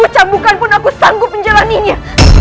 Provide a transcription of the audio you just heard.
seribu cambukan pun aku sanggup menjalannya